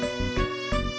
saya sudah berjalan